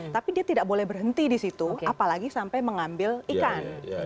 tapi dia tidak boleh berhenti di situ apalagi sampai mengambil ikan